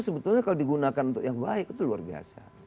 sebetulnya kalau digunakan untuk yang baik itu luar biasa